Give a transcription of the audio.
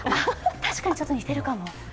確かにちょっと似てるかも！